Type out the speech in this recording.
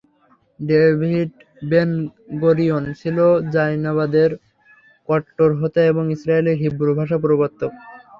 David Ben Gurion ছিল জায়নবাদের কট্টর হোতা এবং ইসরায়েলে হিব্রু ভাষার প্রবর্তক।